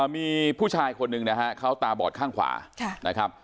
มีผู้ชายคนหนึ่งนะฮะเขาตาบอดข้างขวานะครับ